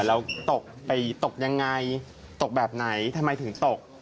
เราตกไปตกยังไงตกแบบไหนทำไมถึงตก